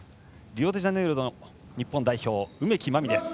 リオデジャネイロの日本代表、梅木真美です。